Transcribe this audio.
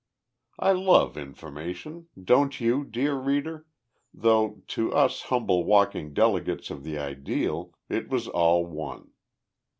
I love information don't you, dear reader? though, to us humble walking delegates of the ideal, it was all one.